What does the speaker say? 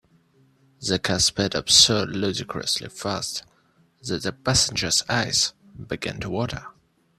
The car sped up so ludicrously fast that the passengers eyes began to water.